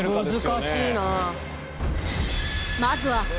難しいな。